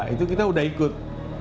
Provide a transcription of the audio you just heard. itu kita sudah ikut